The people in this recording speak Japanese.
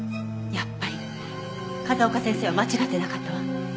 やっぱり風丘先生は間違ってなかったわ。